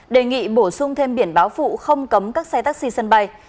đề nghị bổ sung thêm biển báo phụ không cấm các xe taxi sân bay